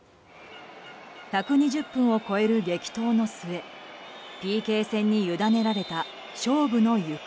１２０分を超える激闘の末ＰＫ戦に委ねられた勝負の行方。